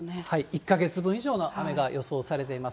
１か月分以上の雨が予想されています。